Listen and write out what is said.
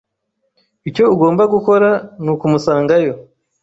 Icyo ugomba gukora nukumusangayo.